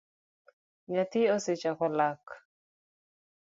Nyathi osechako lak